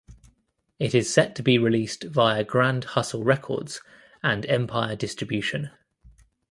It is set to be released via Grand Hustle Records and Empire Distribution.